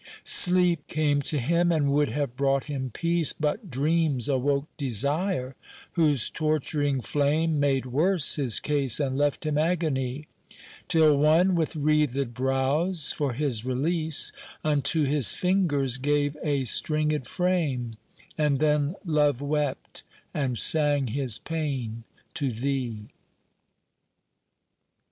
Sleep came to him, and would have brought him peace, But dreams awoke Desire whose torturing flame Made worse his case and left him agony: Till one, with wreathèd brows, for his release, Unto his fingers gave a stringèd frame, And then Love wept, and sang his pain to thee.